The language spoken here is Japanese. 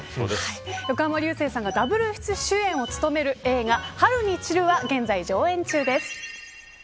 横浜流星さんがダブル主演を務める映画春に散るは現在上映中です。